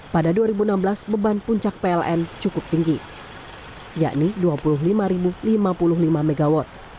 pada dua ribu enam belas beban puncak pln cukup tinggi yakni dua puluh lima lima puluh lima mw